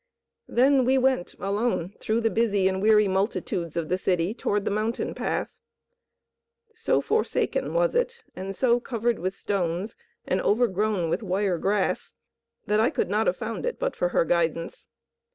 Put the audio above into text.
Then we went alone through the busy and weary multitudes of the city toward the mountain path. So forsaken was it and so covered with stones and overgrown with wire grass that I could not have found it but for her guidance.